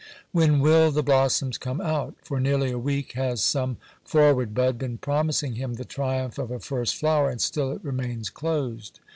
When will the blossoms come out ! For nearly a week has some forward bud been promising him the triumph of a first flower, and still it remains closed.